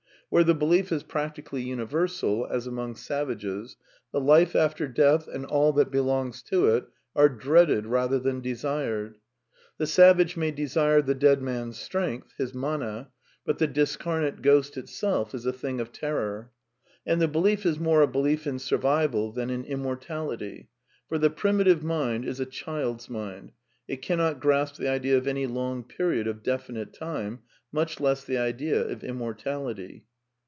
Where the belief is practically universal, as among savages, the life after death and all that belongs to it are dreaded rather than desired. The savage may desire the dead man's strength, his manaj but the discarnate ghost itself is a thing of terror. And the belief is more a belief in survival than in im mortality. For the primitive mind is a child's mind. It cannot grasp the idea of any long period of definite time, much less the idea of immortality.